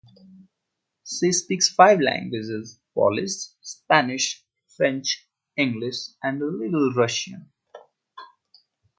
She speaks five languages: Polish, Spanish, French, English and a little Russian.